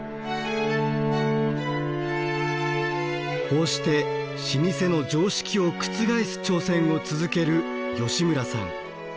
こうして老舗の常識を覆す挑戦を続ける吉村さん。